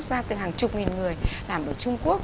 mà giúp ra từ hàng chục nghìn người làm ở trung quốc